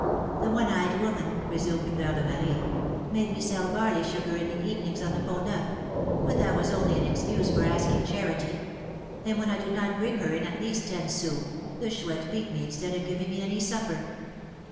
"The one eyed woman," resumed Fleur de Marie, "made me sell barley sugar in the evenings on the Pont Neuf; but that was only an excuse for asking charity; and when I did not bring her in at least ten sous, the Chouette beat me instead of giving me any supper."